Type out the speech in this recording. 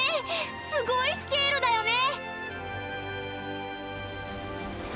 すごいスケールだよね！